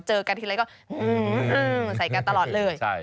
เจอกันทีไรก็ใส่กันตลอดเลย